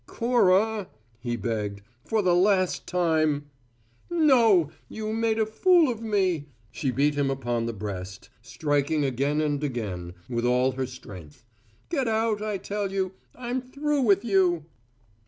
"Cora," he begged. "For the last time " "No! You made a fool of me!" She beat him upon the breast, striking again and again, with all her strength. "Get out, I tell you! I'm through with you!"